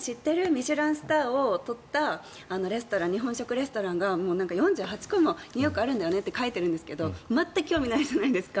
ミシュランスターを取った日本食レストランが４８個もニューヨークにあるんだよねって書いてあるんですけど全く興味ないじゃないですか。